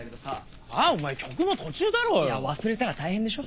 いや忘れたら大変でしょ。